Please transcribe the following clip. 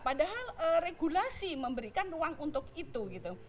padahal regulasi memberikan ruang untuk itu gitu